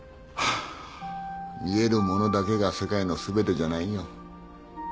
見えるものだけが世界の全てじゃないよ。